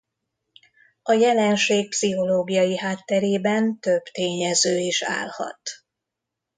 A jelenség pszichológiai hátterében több tényező is állhat.